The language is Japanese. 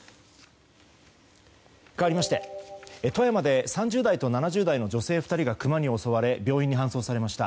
かわりまして、富山で３０代と７０代の女性２人がクマに襲われ病院に搬送されました。